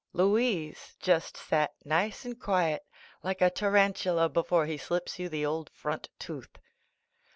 Louise just sat nice and quiet like a tarantula before he slips you the old front tooth.